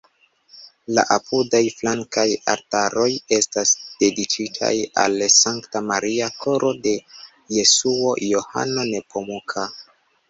La apudaj flankaj altaroj estas dediĉitaj al Sankta Maria, Koro de Jesuo, Johano Nepomuka.